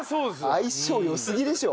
相性良すぎでしょ。